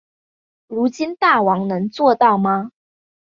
如今大王能做到吗？